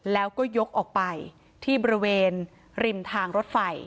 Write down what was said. แล้วก็ยกออกไปที่บริเวณริมทางรถไฟ